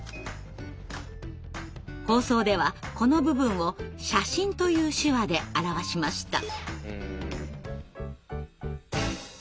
放送ではこの部分を「写真」という手話で表しました。